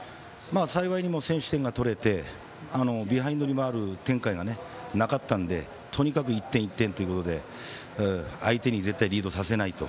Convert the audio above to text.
幸いにも先取点が取れてビハインドに回る展開がなかったんでとにかく１点、１点ということで相手に絶対リードさせないと。